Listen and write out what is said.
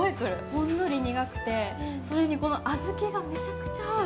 ほんのり苦くてこの小豆がめちゃくちゃ合う。